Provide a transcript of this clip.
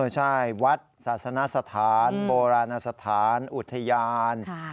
ใช่วัดศาสนสถานโบราณสถานอุทยาน